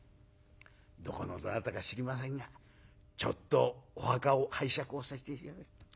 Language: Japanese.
どこのどなたか知りませんがちょっとお墓を拝借をさせて頂いて。